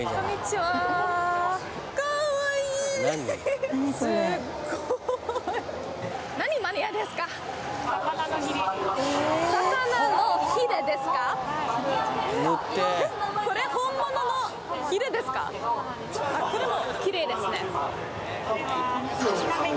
はいこれもきれいですね